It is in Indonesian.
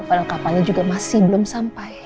padahal kapalnya juga masih belum sampai